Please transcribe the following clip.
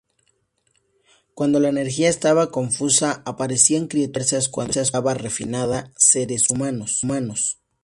Cuando la energía estaba confusa, aparecían criaturas diversas, cuando estaba refinada, seres humanos.